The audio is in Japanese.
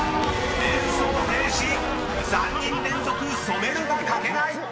［３人連続「ソめる」が書けない］